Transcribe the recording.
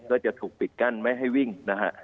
ก็จะถูกปิดกั้นไม่ให้วิ่งนะฮะ